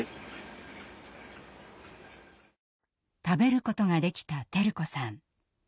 食べることができた輝子さん。